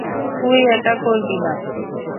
তুই এটা করবি না!